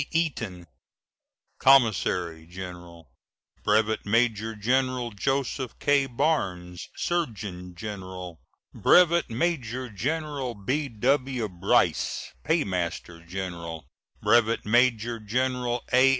Eaton, Commissary General; Brevet Major General Joseph K. Barnes, Surgeon General; Brevet Major General B.W. Brice, Paymaster General; Brevet Major General A.